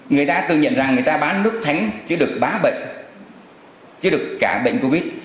người ta tự nhận rằng người ta bán nước thắng chứa được bá bệnh chứa được cả bệnh covid